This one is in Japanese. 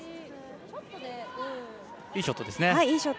いいショットですね。